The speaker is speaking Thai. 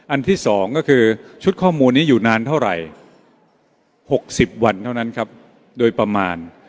อันที่๒ก็คือชุดข้อมูลนี้อยู่นานเท่าไหร่๖๐วันเท่านั้นครับโดยประมาณ